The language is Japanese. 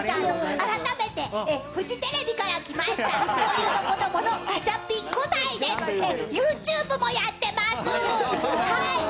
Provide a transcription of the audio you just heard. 改めてフジテレビから来ました、恐竜の子供のガチャピン５歳です、ＹｏｕＴｕｂｅもやってますはい。